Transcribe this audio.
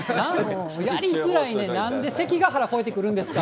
やりづらいねん、なんで関ヶ原、越えてくるんですか。